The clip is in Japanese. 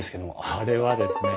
あれはですね